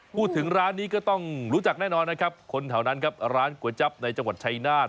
พูดถึงร้านนี้ก็ต้องรู้จักแน่นอนนะครับคนแถวนั้นครับร้านก๋วยจั๊บในจังหวัดชัยนาธ